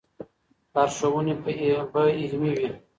لارښوونې به علمي وي.